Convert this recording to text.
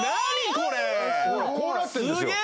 こうなってんですよ